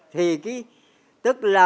thì cái tức là